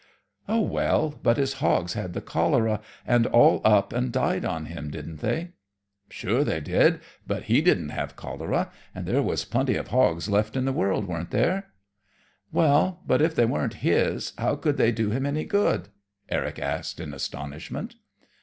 "Oh, well! But his hogs had the cholera, and all up and died on him, didn't they?" "Sure they did; but he didn't have cholera; and there were plenty of hogs left in the world, weren't there?" "Well, but, if they weren't his, how could they do him any good?" Eric asked, in astonishment.